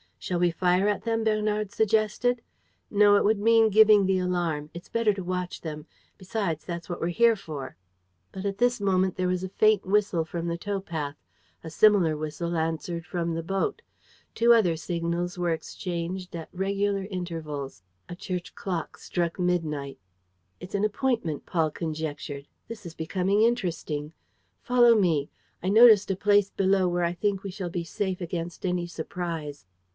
"Shall we fire at them?" Bernard suggested. "No, it would mean giving the alarm. It's better to watch them. Besides, that's what we're here for." But at this moment there was a faint whistle from the tow path. A similar whistle answered from the boat. Two other signals were exchanged at regular intervals. A church clock struck midnight. "It's an appointment," Paul conjectured. "This is becoming interesting. Follow me. I noticed a place below where I think we shall be safe against any surprise."